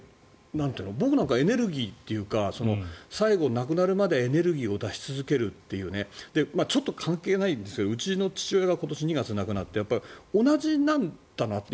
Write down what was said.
僕なんかエネルギーというか最後、亡くなるまでエネルギーを出し続けるっていうちょっと関係ないんですがうちの父親が今年２月に亡くなって同じなんだなって。